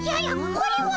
これは！